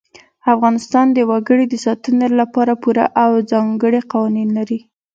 افغانستان د وګړي د ساتنې لپاره پوره او ځانګړي قوانین لري.